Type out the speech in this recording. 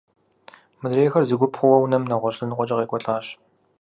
Мыдрейхэр зы гуп хъууэ унэм нэгъуэщӏ лъэныкъуэкӏэ къекӏуэлӏащ.